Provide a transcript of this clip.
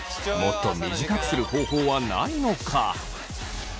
もっと短くする方法はないのか？